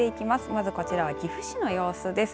まずこちらは岐阜市の様子です。